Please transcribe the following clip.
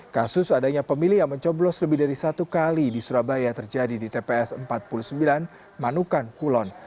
kasus adanya pemilih yang mencoblos lebih dari satu kali di surabaya terjadi di tps empat puluh sembilan manukan kulon